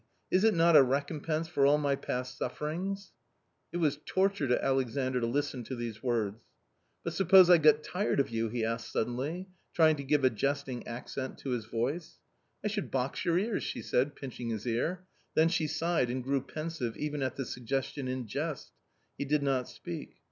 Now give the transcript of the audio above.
Is it not a recompense for all my past sufferings ?" ^was torture to Alexandr to listen to these words. u But suppose I got tired of you ?" he asked suddenly, j trying to give a jesting accent to his voice. r " I should box your ears," she said, pinching his ear ; then she sighed and grew pensive even at the suggestion in jest. He did not speak.